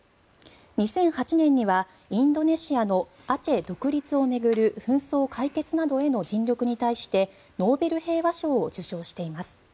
２００８年にはインドネシアのアチェ独立を巡る紛争解決などへの尽力に対してノーベル平和賞を受賞しています。